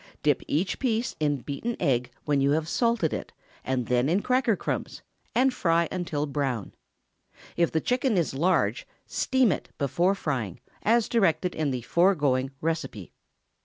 Dip each piece in beaten egg when you have salted it, then in cracker crumbs, and fry until brown. If the chicken is large, steam it before frying, as directed in the foregoing receipt.